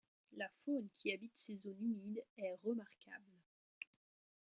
La faune qui habite ces zones humides est remarquable.